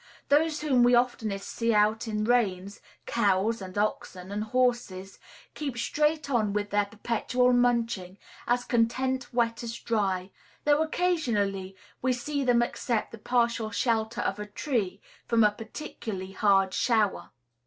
Those whom we oftenest see out in rains (cows and oxen and horses) keep straight on with their perpetual munching, as content wet as dry, though occasionally we see them accept the partial shelter of a tree from a particularly hard shower.